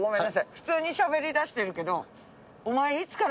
普通にしゃべりだしてるけどお前いつから。